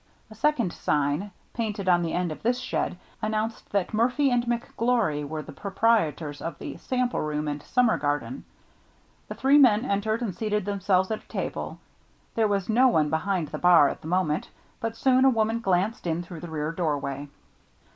A second sign, painted on the end of this shed, announced that Murphy and McGlory were the proprietors of the " sample room and summer garden." The three men entered, and seated themselves at a table. There was no one behind the bar at the moment, but soon a woman glanced in through the rear doorway.